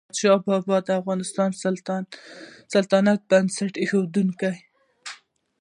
احمدشاه بابا د افغان سلطنت بنسټ کېښود.